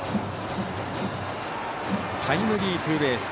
タイムリーツーベース。